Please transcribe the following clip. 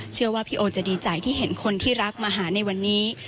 เชื่อว่าพี่โอจะดีใจที่เห็นคนที่รักมาหาในวันนี้